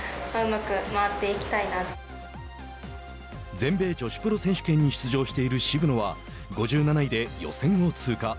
全米女子プロ選手権に出場している渋野は５７位で予選を通過。